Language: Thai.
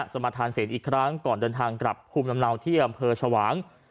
สมทานเสนอีกครั้งก่อนเดินทางกลับภูมิลำเนาที่อำเภอชวาง